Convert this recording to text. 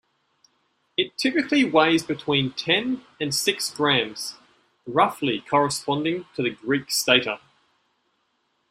It typically weighs between ten and six grams, roughly corresponding to the Greek stater.